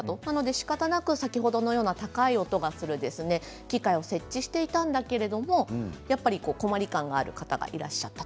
しかたなく先ほどのような高い音がする機械を設置していたんだけれども困り感がある方がいらっしゃった。